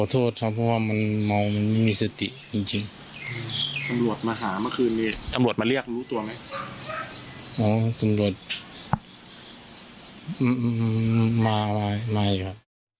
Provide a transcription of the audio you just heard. อ๋อตำรวจมาไว้มาอีกครับ